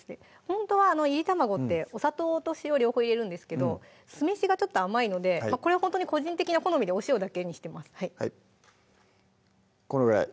ほんとはいり卵ってお砂糖と塩両方入れるんですけど酢飯がちょっと甘いのでこれはほんとに個人的な好みでお塩だけにしてますこのぐらい？